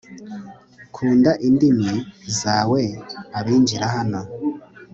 Kunda indimi zawe abinjira hano